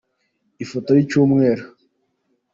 Ifoto icy’icyumweru